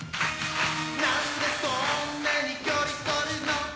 なんでそんなに距離取るの？